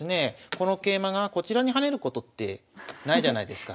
この桂馬がこちらに跳ねることってないじゃないですか。